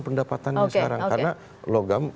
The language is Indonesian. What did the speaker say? pendapatannya sekarang karena logam